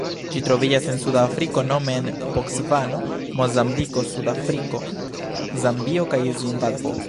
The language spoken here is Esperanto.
Ĝi troviĝas en Suda Afriko nome en Bocvano, Mozambiko, Sudafriko, Zambio kaj Zimbabvo.